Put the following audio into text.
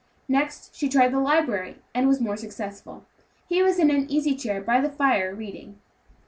Next she tried the library, and was more successful; he was in an easy chair by the fire, reading.